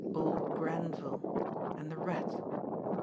Old Grenville and the Rat!